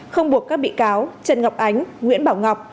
không buộc các bị cáo trần ngọc ánh nguyễn bảo ngọc